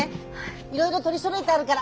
いろいろ取りそろえてあるから。